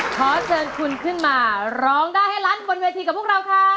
ขอเชิญคุณขึ้นมาร้องได้ให้ล้านบนเวทีกับพวกเราค่ะ